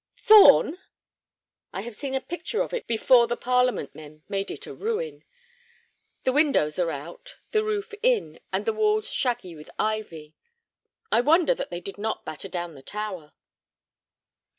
"Thorn!" "I have seen a picture of it before the Parliament men made it a ruin. The windows are out, the roof in, and the walls shaggy with ivy. I wonder that they did not batter down the tower."